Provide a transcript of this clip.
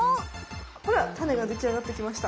ほらタネができあがってきました。